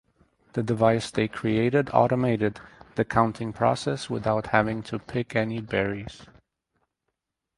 The device they created automated the counting process without having to pick any berries.